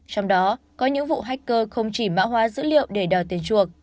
trong đó có những vụ hacker không chỉ mã hóa dữ liệu để đòi tiền chuộc